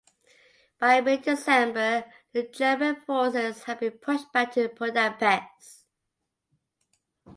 By mid-December, the German forces had been pushed back to Budapest.